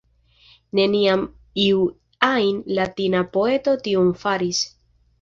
Neniam iu ajn Latina poeto tion faris!